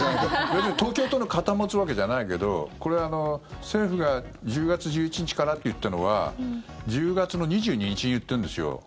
別に東京都の肩を持つわけじゃないけど政府が１０月１１日からって言ったのは１０月の２２日に言ってるんですよ。